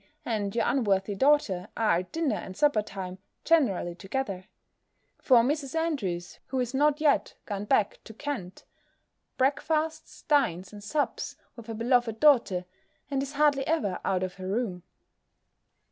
and your unworthy daughter, are at dinner and supper time generally together; for Mrs. Andrews, who is not yet gone back to Kent, breakfasts, dines, and sups with her beloved daughter, and is hardly ever out of her room.